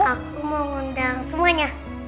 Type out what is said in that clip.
aku mau undang semuanya